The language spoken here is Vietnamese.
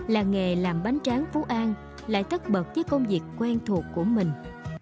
làng nghề làm bánh tráng phú an lại tất bật với công việc quen thuộc của mình